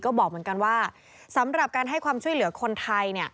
ก็บอกเหมือนกันว่าสำหรับการให้ความช่วยเหลือคนไทย